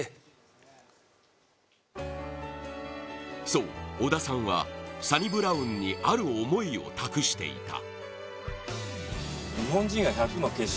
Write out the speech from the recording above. そう、織田さんはサニブラウンにある思いを託していた。